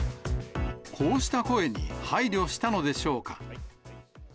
こうした声に配慮したのでしょうか。